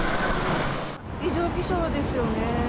異常気象ですよね。